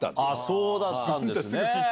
そうだったんですね。